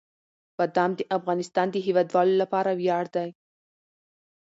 بادام د افغانستان د هیوادوالو لپاره ویاړ دی.